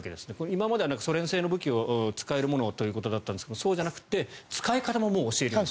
今まではソ連製の武器を使えるものをということだったんですがそうじゃなくて使い方も、もう教えると。